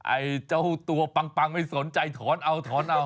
ไอเจ้าตัวปังไม่สนใจท้อนเอา